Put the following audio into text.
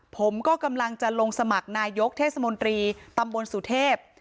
ผมก็กำลังจะลงสมัครนายกเทศมนตรีตำบลสุเทพ